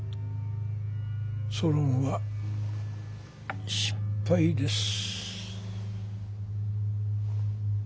ソロンは失敗です。